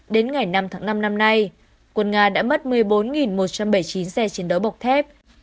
đến ngày năm tháng năm năm nay quân nga đã mất một mươi bốn một trăm bảy mươi chín xe chiến đấu bọc thép